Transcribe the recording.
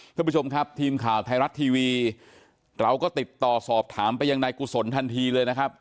ท่านผู้ชมครับทีมข่าวไทยรัฐทีวีเราก็ติดต่อสอบถามไปยังนายกุศลทันทีเลยนะครับ